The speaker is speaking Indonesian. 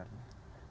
kalau menurut saya